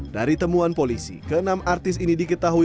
dari temuan polisi ke enam artis ini diketahui